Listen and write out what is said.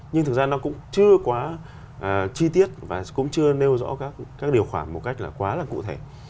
nhưng thực ra nó cũng chưa quá chi tiết và cũng chưa nêu rõ các điều khoản một cách là quá là cụ thể